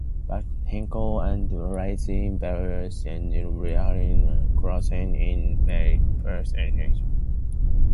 But Hincks' and Rawlinson's versions corresponded remarkably closely in many respects.